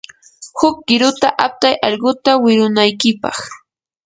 huk qiruta aptay allquta wirunaykipaq.